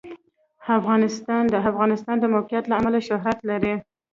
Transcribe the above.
افغانستان د د افغانستان د موقعیت له امله شهرت لري.